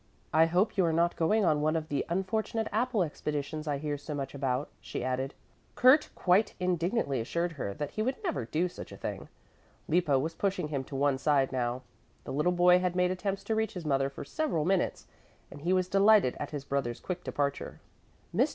"I hope you are not going on one of the unfortunate apple expeditions I hear so much about," she added. Kurt quite indignantly assured her that he would never do such a thing. Lippo was pushing him to one side now. The little boy had made attempts to reach his mother for several minutes, and he was delighted at his brother's quick departure. "Mr.